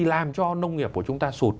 làm cho nông nghiệp của chúng ta sụt